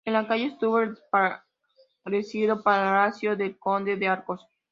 En la calle estuvo el desaparecido palacio del conde de Arcos.